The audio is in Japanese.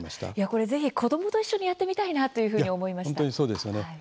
これ、ぜひ子どもと一緒にやってみたいなというふうに本当にそうですよね。